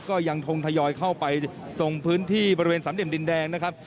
ก็ยังคงทยอยเข้าไปตรงพื้นที่บริเวณสามเหลี่ยมดินแดงนะครับ